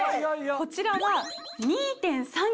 こちらは。